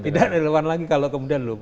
tidak relevan lagi kalau kemudian loh